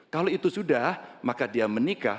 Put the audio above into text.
kalau itu sudah maka dia menikah